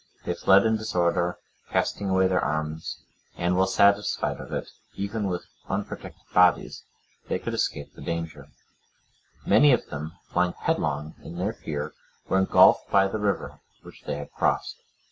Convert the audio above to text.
They fled in disorder, casting away their arms, and well satisfied if, even with unprotected bodies, they could escape the danger; many of them, flying headlong in their fear, were engulfed by the river which they had crossed.